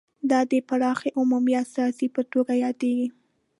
دا د پراخې عمومیت سازۍ په توګه یادیږي